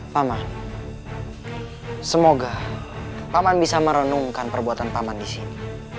paman semoga paman bisa merenungkan perbuatan paman di sini